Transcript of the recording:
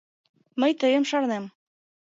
— Мый тыйым шарнем.